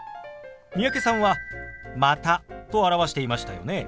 三宅さんは「また」と表していましたよね。